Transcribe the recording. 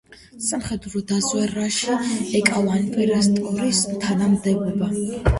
სამხედრო დაზვერვაში ეკავა ინსპექტორის თანამდებობა.